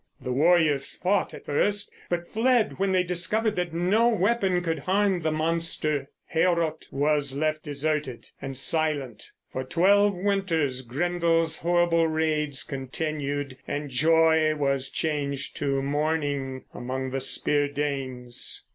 The warriors fought at first; but fled when they discovered that no weapon could harm the monster. Heorot was left deserted and silent. For twelve winters Grendel's horrible raids continued, and joy was changed to mourning among the Spear Danes.